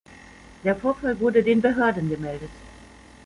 Der Vorfall wurde den Behörden gemeldet.